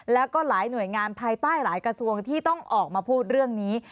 แล้วก็หลายหน่วยงานภายใต้หลายกระทรวงที่ต้องออกมาพูดเรื่องนี้